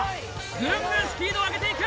ぐんぐんスピードを上げていく！